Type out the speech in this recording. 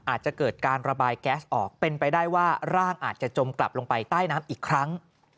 อาจจะเกิดการระบายแก๊สออกเป็นไปได้ว่าร่างอาจจะจมกลับลงไปใต้น้ำอีกครั้ง